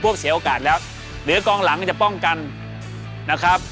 เสียโอกาสแล้วเหลือกองหลังจะป้องกันนะครับ